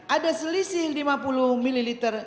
ada selisih lima puluh ml